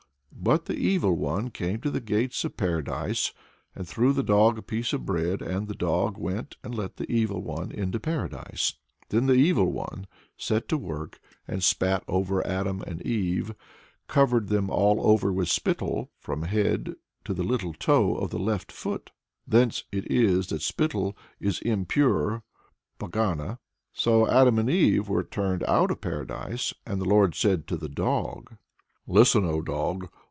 But "the Evil One came to the gates of Paradise, and threw the dog a piece of bread, and the dog went and let the Evil One into Paradise. Then the Evil One set to work and spat over Adam and Eve covered them all over with spittle, from the head to the little toe of the left foot." Thence is it that spittle is impure (pogana). So Adam and Eve were turned out of Paradise, and the Lord said to the dog: "Listen, O Dog!